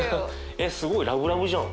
えっすごいラブラブじゃん。